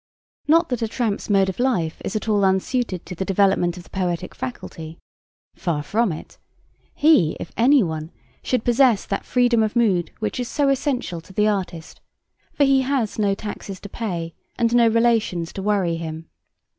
Not that a tramp's mode of life is at all unsuited to the development of the poetic faculty. Far from it! He, if any one, should possess that freedom of mood which is so essential to the artist, for he has no taxes to pay and no relations to worry him.